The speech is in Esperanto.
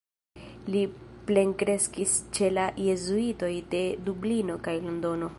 Li plenkreskis ĉe la jezuitoj de Dublino kaj Londono.